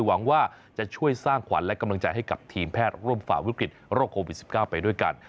หวังว่าจะช่วยสร้างขวัญและกำลังใจให้กับทีมแพทย์ร่วมฝ่าวิกฤตโรคโควิด๑๙ไปด้วยกัน